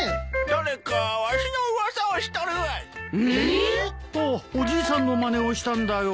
「誰かわしの噂をしとるわい」え！ああおじいさんのまねをしたんだよ。